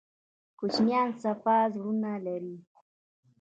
کوچنیان صفا زړونه لري